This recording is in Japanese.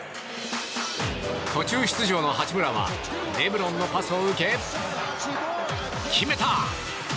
途中出場の八村はレブロンのパスを受け、決めた！